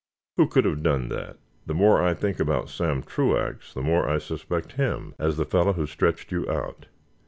Who could have done that? The more I think about Sam Truax, the more I suspect him as the fellow who stretched you out."